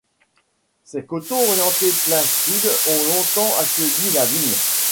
Ses coteaux orientés plein sud ont longtemps accueilli la vigne.